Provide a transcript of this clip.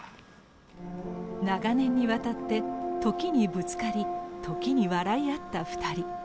長年にわたって時にぶつかり時に笑い合った２人。